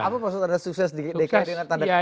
apa maksud anda sukses di dki dengan tanda kutip